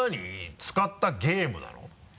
使ったゲームなの？